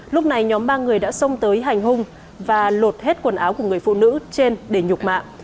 lúc này nhóm ba người đã xông tới hành hung và lột hết quần áo của người phụ nữ trên để nhục mạng